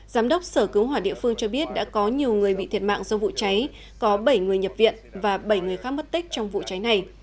giám đốc sở cứu hỏa địa phương cho biết đã có nhiều người bị thiệt mạng do vụ cháy có bảy người nhập viện và bảy người khác mất tích trong vụ cháy này